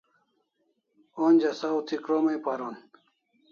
Onja saw thi krom ai paron